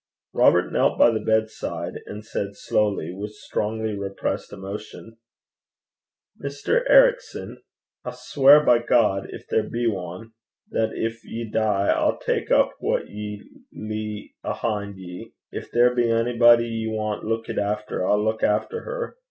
Robert knelt by the bedside, and said, slowly, with strongly repressed emotion, 'Mr. Ericson, I sweir by God, gin there be ane, that gin ye dee, I'll tak up what ye lea' ahin' ye. Gin there be onybody ye want luikit efter, I'll luik efter her.